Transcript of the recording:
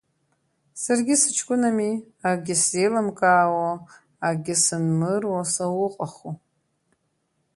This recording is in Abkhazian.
Саргьы сыҷкәынами, акгьы сзеилымкаауа, акгьы сынмыруа сауҟаху.